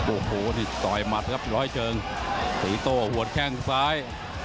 โอ้โหนี่ต่อยหมัดครับร้อยเชิงตีโต้หัวแข้งซ้าย